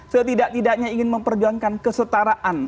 setidak tidaknya ingin memperjuangkan kesetaraan